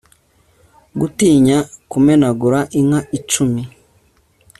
Gutinya kumenagura inka icumi